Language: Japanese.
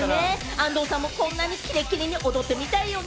安藤さんもこんなにキレッキレに踊ってみたいですよね？